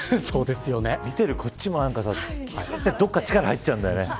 見ているこっちもどこか、力入っちゃうんだよね。